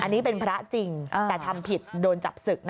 อันนี้เป็นพระจริงแต่ทำผิดโดนจับศึกนะ